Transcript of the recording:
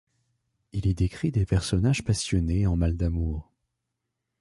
Il y décrit des personnages passionnés en mal d'amour.